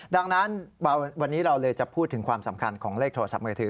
ดังนั้นวันนี้เราเลยจะพูดถึงความสำคัญของเลขโทรศัพท์มือถือ